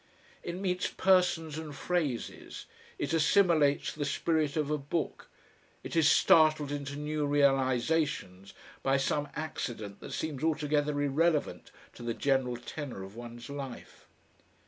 It meets persons and phrases, it assimilates the spirit of a book, it is startled into new realisations by some accident that seems altogether irrelevant to the general tenor of one's life.